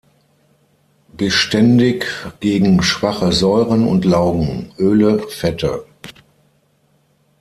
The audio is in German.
Beständig gegen schwache Säuren und Laugen, Öle, Fette.